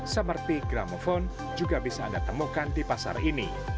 seperti gramofon juga bisa anda temukan di pasar ini